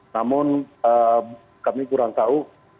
namun kami kurang tahu